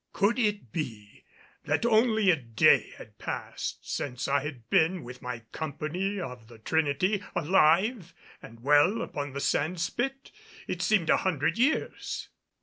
Could it be that only a day had passed since I had been with my company of the Trinity alive and well upon the sand spit? It seemed a hundred years.